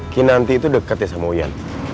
ki nanti itu deket ya sama wian